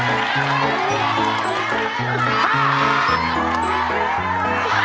ครับผมอยากได้เงินสบายนะครับ